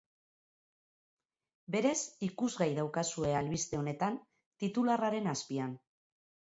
Berez, ikusgai daukazue albiste honetan, titularraren azpian.